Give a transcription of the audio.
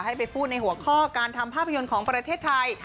ให้ไปพูดในหัวข้อการทำภาพยนตร์ของประเทศไทย